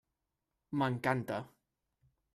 M'encanta.